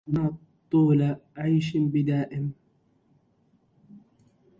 أبا مسلم ما طول عيش بدائم